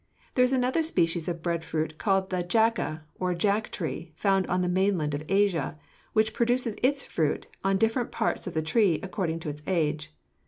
There is another species of bread fruit, called the jaca, or jack, tree, found on the mainland of Asia, which produces its fruit on different parts of the tree, according to its age.